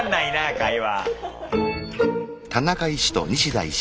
会話。